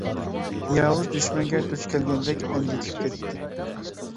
ياۋۇز دۈشمەنگە دۇچ كەلگەندەك ئەندىكىپ كەتتى.